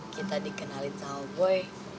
kita dikenalin sama boy